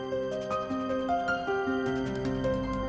เรื่องที่ก้น